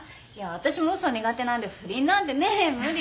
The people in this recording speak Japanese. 私も嘘は苦手なんで不倫なんてね無理ですよ。